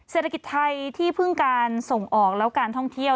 เศรษฐกิจไทยที่พึ่งการส่งออกแล้วการท่องเที่ยว